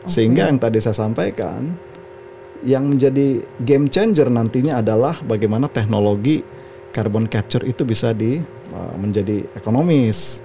sehingga yang tadi saya sampaikan yang menjadi game changer nantinya adalah bagaimana teknologi carbon capture itu bisa menjadi ekonomis